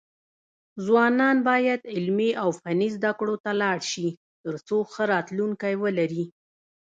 ځوانان بايد علمي او فني زده کړو ته لاړ شي، ترڅو ښه راتلونکی ولري.